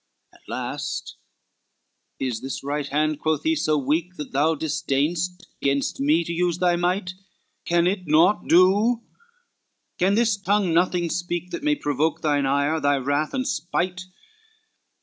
XXXVII At last, "Is this right hand," quoth he, "so weak, That thou disdain'st gainst me to use thy might? Can it naught do? can this tongue nothing speak That may provoke thine ire, thy wrath and spite?"